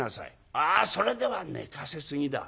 あそれでは寝かせすぎだ。